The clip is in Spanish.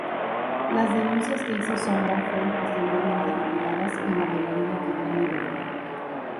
Las denuncias que hizo Sombra fueron posteriormente retiradas, y la bailarina quedó en libertad.